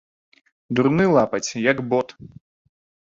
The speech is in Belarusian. Дурны лапаць, як бот!